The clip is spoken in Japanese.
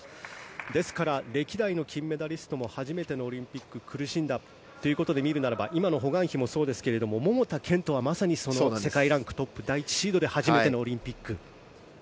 ですから、歴代の金メダリストも初めてのオリンピック苦しんだというところで見れば今のホ・グァンヒもそうですが桃田賢斗はまさにその世界ランクトップ第１シードで初めてのオリンピックでした。